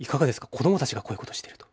子どもたちがこういうことしていると。